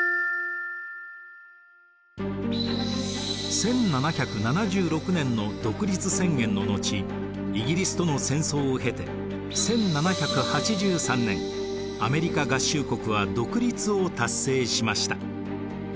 １７７６年の独立宣言の後イギリスとの戦争を経て１７８３年アメリカ合衆国は独立を達成しました。